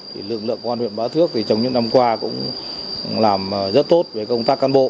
trong những năm qua lực lượng công an huyện bá thước cũng làm rất tốt về công tác cán bộ